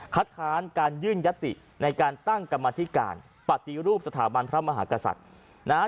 ค้านการยื่นยติในการตั้งกรรมธิการปฏิรูปสถาบันพระมหากษัตริย์นะฮะ